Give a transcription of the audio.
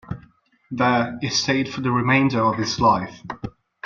There he stayed for the remainder of his life.